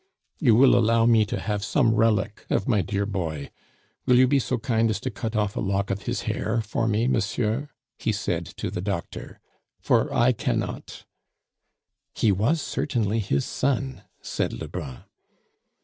"You will allow me to have some relic of my dear boy! Will you be so kind as to cut off a lock of his hair for me, monsieur," he said to the doctor, "for I cannot " "He was certainly his son," said Lebrun.